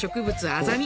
アザミ